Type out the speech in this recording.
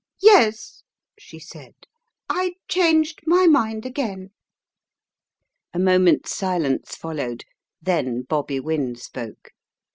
"Yes," she said. "I changed my mind again." A moment's silence followed, then Bobby Wynne spoke.